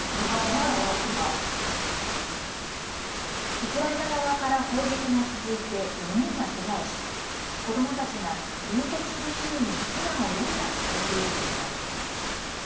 ウクライナ側から砲撃が続いて４人がけがをし子どもたちが隣接する州に避難を余儀なくされていると伝えています。